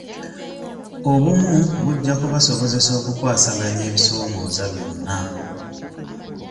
Obumu bujja kubasobozesa okukwasaganya ebisoomoza byonna.